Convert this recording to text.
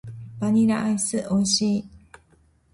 バニラアイス美味しい。